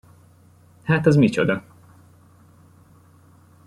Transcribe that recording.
Hát az micsoda?